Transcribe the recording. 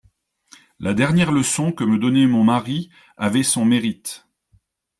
La dernière leçon que me donnait mon mari avait son mérite.